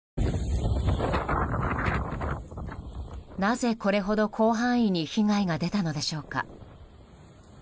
なぜ、これほど広範囲に被害が出たのでしょうか。